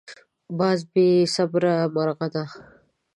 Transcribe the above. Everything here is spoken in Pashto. باز بې صبره مرغه دی